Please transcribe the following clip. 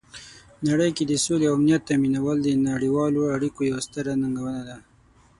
نړۍ کې د سولې او امنیت تامینول د نړیوالو اړیکو یوه ستره ننګونه ده.